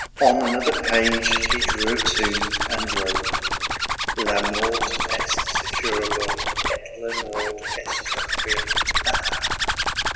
On another page he drew a tomb, and wrote: La mort est secourable et la mort est tranquille. Ah!